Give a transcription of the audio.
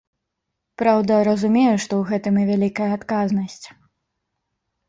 Праўда, разумею, што ў гэтым і вялікая адказнасць.